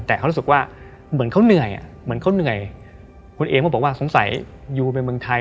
แต่เขารู้สึกว่าเหมือนเขาเหนื่อยคุณเอมเขาบอกว่าสงสัยอยู่ในเมืองไทย